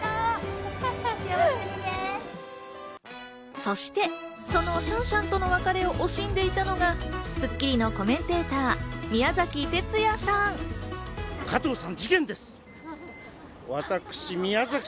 そしてそのシャンシャンとの別れを惜しんでいたのが『スッキリ』のコメンテーター・宮崎哲弥さん。